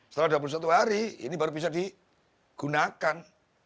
setelah dua puluh satu hari ini baru bisa digunakan